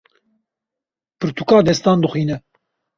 Pirtûka destan dixwîne.